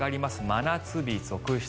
真夏日続出。